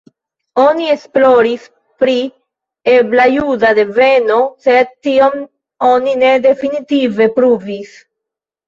Oni esploris pri ebla juda deveno, sed tion oni ne definitive pruvis.